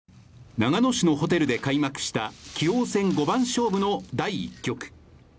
長野市のホテルで開幕した棋王戦五番勝負の第１局。